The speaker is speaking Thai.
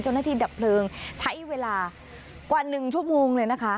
เจ้าหน้าที่ดับเพลิงใช้เวลากว่าหนึ่งชั่วโมงเลยนะคะ